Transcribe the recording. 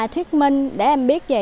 thuyết minh để em biết về